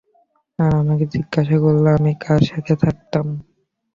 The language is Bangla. আর আমাকে জিজ্ঞাসা করল আমি কার সাথে থাকতাম।